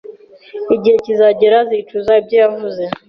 Igihe kizagera azicuza ibyo yavuze